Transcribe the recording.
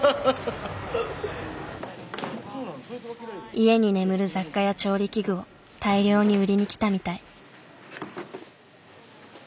家に眠る雑貨や調理器具を大量に売りに来たみたい。